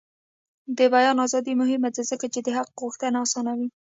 د بیان ازادي مهمه ده ځکه چې د حق غوښتنه اسانوي.